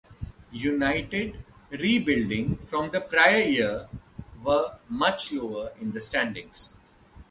United, rebuilding from the prior year were much lower in the standings.